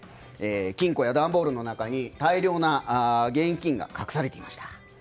金庫や段ボールの中に大量な現金が隠されていました。